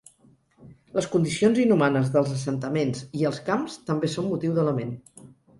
Les condicions inhumanes dels assentaments i els camps també són motiu de lament.